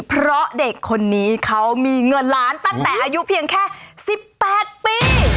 เพราะเด็กคนนี้เขามีเงินล้านตั้งแต่อายุเพียงแค่๑๘ปี